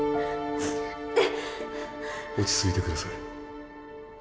落ち着いて下さい。